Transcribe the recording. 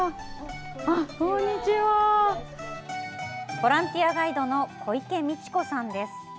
ボランティアガイドの小池陸子さんです。